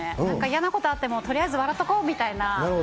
なんか嫌なことあっても、とりあえず笑っとこうみたいな。